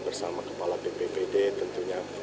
bersama kepala bppd tentunya